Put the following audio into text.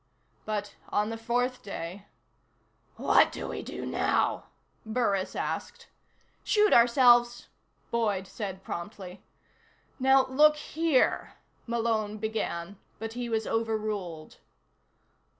But, on the fourth day: "What do we do now?" Burris asked. "Shoot ourselves," Boyd said promptly. "Now, look here " Malone began, but he was overruled.